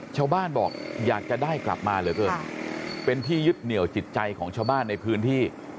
ชาวบ้านบอกอยากจะได้กลับมาเหลือเกินเป็นที่ยึดเหนียวจิตใจของชาวบ้านในพื้นที่